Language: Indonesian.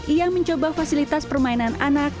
ia mencoba fasilitas permainan anak